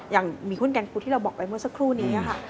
อย่างมีหุ้นแกนฟูที่เราบอกไปเมื่อสักครู่นี้ค่ะ